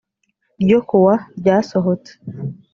ryo ku wa ryasohotse